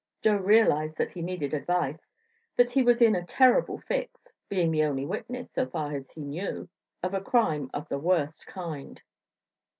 Joe realized that he needed advice that he was in a terrible fix, being the only witness, so far as he knew, of a crime of the worst kind.